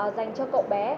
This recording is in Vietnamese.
dành cho cậu bé